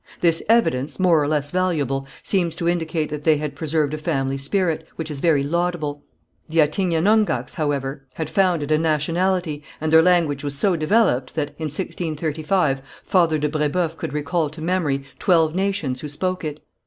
This evidence, more or less valuable, seems to indicate that they had preserved a family spirit, which is very laudable. The Attignenonghacs, however, had founded a nationality, and their language was so developed that, in 1635, Father de Brébeuf could recall to memory twelve nations who spoke it.